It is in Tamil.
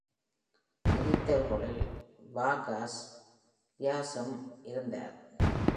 எதிர்த்தவர்களுள் Vargas Llerasம் இருந்தார்.